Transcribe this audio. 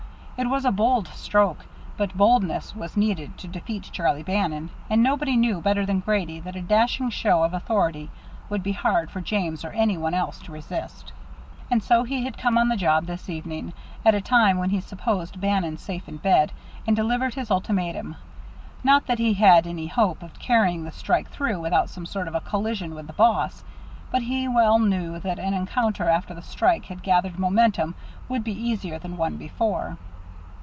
It was a bold stroke, but boldness was needed to defeat Charlie Bannon; and nobody knew better than Grady that a dashing show of authority would be hard for James or any one else to resist. And so he had come on the job this evening, at a time when he supposed Bannon safe in bed, and delivered his ultimatum. Not that he had any hope of carrying the strike through without some sort of a collision with the boss, but he well knew that an encounter after the strike had gathered momentum would be easier than one before.